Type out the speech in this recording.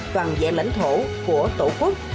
toàn vẹn lãnh thổ của tổ quốc